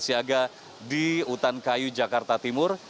siaga di utan kayu jakarta timur